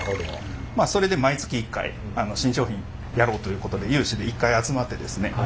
まあそれで毎月１回新商品やろうということで有志で一回集まってですねはい。